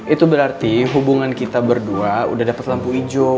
itu berarti hubungan kita berdua udah dapat lampu hijau